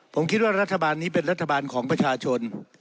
ผมคิดว่ารัฐบาลนี้เป็นรัฐบาลของประชาชน